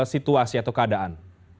situasi atau keadaan